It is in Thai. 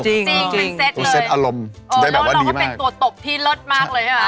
จริงคือเซตเลยแล้วเราก็เป็นตัวตบที่เลิศมากเลยใช่ไหม